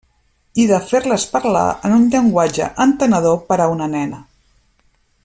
I de fer-les parlar en un llenguatge entenedor per a una nena.